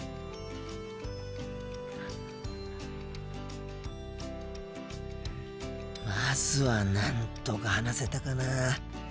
心の声まずはなんとか話せたかな。